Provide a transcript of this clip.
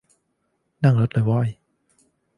นั่งรถเลย ว้อย